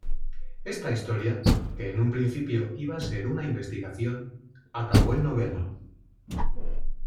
Esta historia, que en un principio iba a ser una investigación, acabó en novela.